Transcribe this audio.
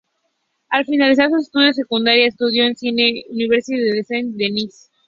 Al finalizar sus estudios de secundaria, estudió cine en la Universidad de Saint-Denis.